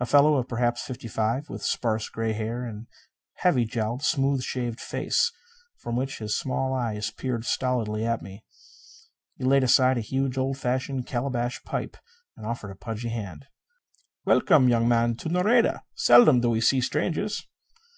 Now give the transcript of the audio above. A fellow of perhaps fifty five, with sparse gray hair and a heavy jowled, smooth shaved face from which his small eyes peered stolidly at me. He laid aside a huge, old fashioned calabash pipe and offered a pudgy hand. "Welcome, young man, to Nareda. Seldom do we see strangers."